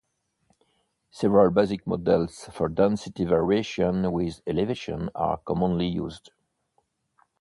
Several basic models for density variation with elevation are commonly used.